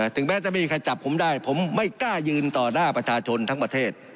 ถึงแม้จะไม่มีใครจับผมได้ผมไม่กล้ายืนต่อหน้าประชาชนทั้งประเทศ